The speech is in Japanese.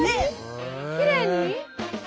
きれいに？